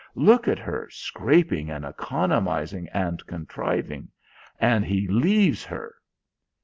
"Look at her scraping and economising and contriving. And he leaves her!"